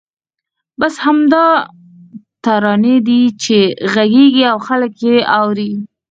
بس همدا ترانې دي چې غږېږي او خلک یې اوري.